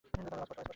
অস্পষ্ট, অস্পষ্ট!